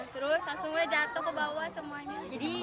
terus langsungnya jatuh ke bawah semuanya